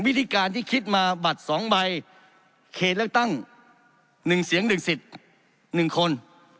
วิธีการที่คิดมาบัตรสองใบเขตเลือกตั้งหนึ่งเสียงหนึ่งสิทธิ์หนึ่งคน